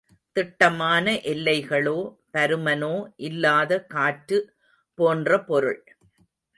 திட்டமான எல்லைகளோ பருமனோ இல்லாத காற்று போன்ற பொருள்.